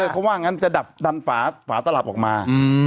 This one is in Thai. เขาว่างั้นจะดันฝาตลับออกมา